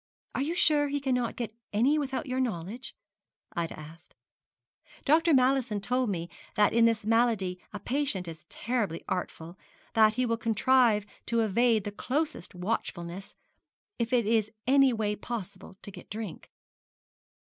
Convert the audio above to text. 'Are you sure he cannot get any without your knowledge?' Ida asked. 'Dr. Mallison told me that in this malady a patient is terribly artful that he will contrive to evade the closest watchfulness, if it is any way possible to get drink.'